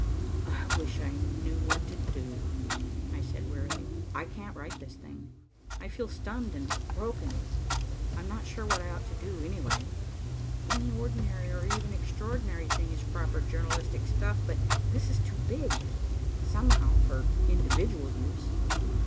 "I wish I knew what to do," I said wearily. "I can't write this thing. I feel stunned and broken. I'm not sure what I ought to do, anyway. Any ordinary or even extraordinary thing is proper journalistic stuff, but this is too big, somehow, for individual use.